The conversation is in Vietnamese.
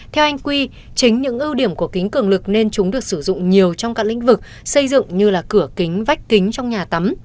theo anh quy chính những ưu điểm của kính cường lực nên chúng được sử dụng nhiều trong các lĩnh vực xây dựng như là cửa kính vách kính trong nhà tắm